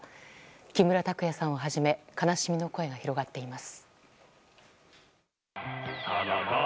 木村拓哉さんをはじめ悲しみの声が広がっています。